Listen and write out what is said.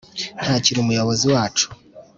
ntakiri umuyobozi wacu